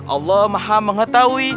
allah maha mengetahui